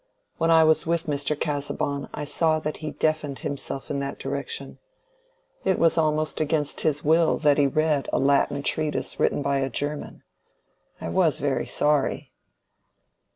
When I was with Mr. Casaubon I saw that he deafened himself in that direction: it was almost against his will that he read a Latin treatise written by a German. I was very sorry."